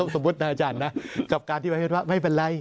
สมมุตินะอาจารย์นะกับการที่ประเทศว่าไม่เป็นไร